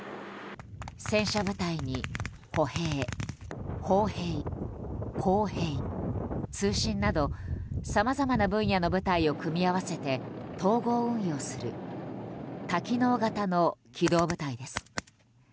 戦車部隊に歩兵、砲兵、工兵、通信などさまざまな分野の部隊を組み合わせて統合運用する多機能型の機動部隊です。